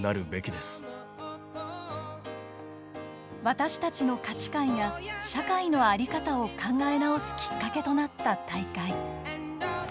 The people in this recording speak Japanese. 私たちの価値観や社会の在り方を考え直すきっかけとなった大会。